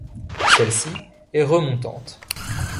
Celle-ci est remontante.